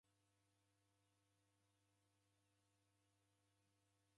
Ozerwa w'ei obwagha mlindiri.